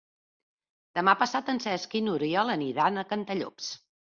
Demà passat en Cesc i n'Oriol aniran a Cantallops.